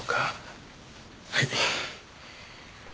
はい。